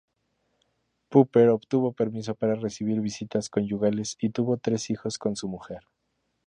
Popper obtuvo permiso para recibir visitas conyugales y tuvo tres hijos con su mujer.